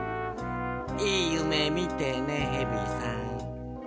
いいゆめみてねヘビさん。